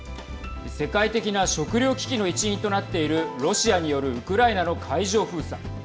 世界的な食糧危機の一因となっているロシアによるウクライナの海上封鎖。